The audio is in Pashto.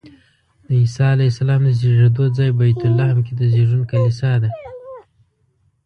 د عیسی علیه السلام د زېږېدو ځای بیت لحم کې د زېږون کلیسا ده.